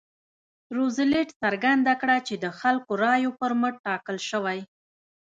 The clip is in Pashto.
روزولټ څرګنده کړه چې د خلکو رایو پر مټ ټاکل شوی.